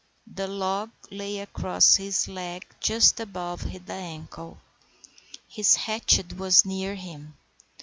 The log lay across his leg just above the ankle. His hatchet was near him.